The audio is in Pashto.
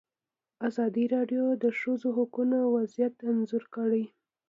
ازادي راډیو د د ښځو حقونه وضعیت انځور کړی.